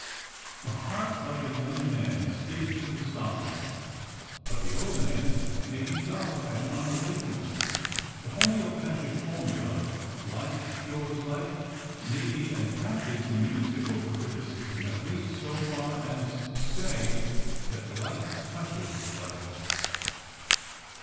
The heart of the young man speaks to the psalmist, but the old man's may be dull and unawakened. The homoeopathic formula, like cures like, may be adapted to musical criticism at least so far as to say that like touches like.